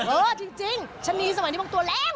เออจริงชะนีสมัยนี้บางตัวแล้ว